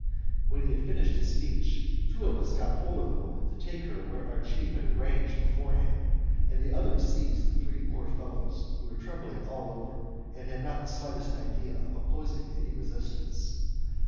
When he had finished his speech, two of us got hold of the woman to take her where our chief had arranged beforehand, and the others seized the three poor fellows, who were trembling all over, and had not the slightest idea of opposing any resistance.